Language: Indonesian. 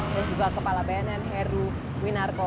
dan juga kepala bnn heru winarko